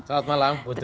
selamat malam putri